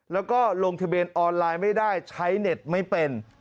แล้วก็ลงทะเบียนออนไลน์ไม่ได้ใช้เน็ตไม่เป็น